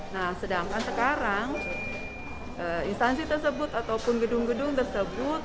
nah sedangkan sekarang instansi tersebut ataupun gedung gedung tersebut